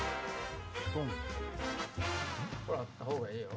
これあった方がええよ。